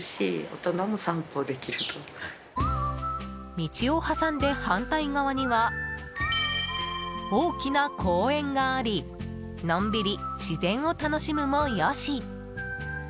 道を挟んで反対側には大きな公園がありのんびり自然を楽しむも良し。